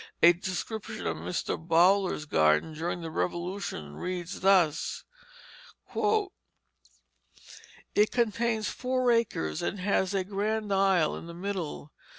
A description of Mr. Bowler's garden during the Revolution reads thus: "It contains four acres and has a grand aisle in the middle.